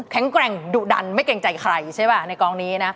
แกร่งดุดันไม่เกรงใจใครใช่ป่ะในกองนี้นะ